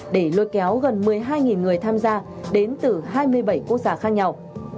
để lôi kéo gần một mươi hai người tham gia đến từ hai mươi bảy quốc gia khác nhau